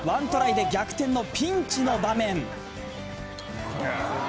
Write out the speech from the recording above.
１トライで逆転のピンチの場面。